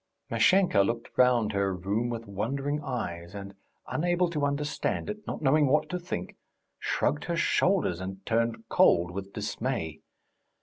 Mashenka looked round her room with wondering eyes, and, unable to understand it, not knowing what to think, shrugged her shoulders, and turned cold with dismay.